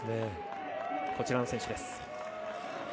こちらの選手です。